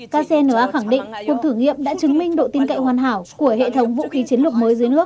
kcna khẳng định cuộc thử nghiệm đã chứng minh độ tin cậy hoàn hảo của hệ thống vũ khí chiến lược mới dưới nước